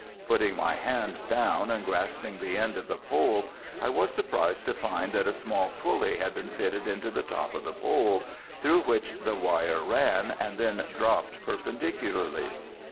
Putting my hand down and grasping the end of the pole I was surprised to find that a small pulley had been fitted into the top of the pole, through which the wire ran and then dropped perpendicularly.